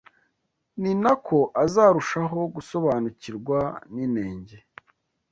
ni na ko azarushaho gusobanukirwa n’inenge